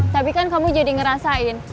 tapi kan kamu jadi ngerasain